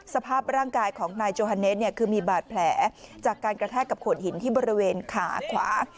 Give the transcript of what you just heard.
สภาพร่างกายของนายโจฮาเนสเนี่ยคือมีบาดแผลจากการกระแทกกับโขดหินที่บริเวณขาขวา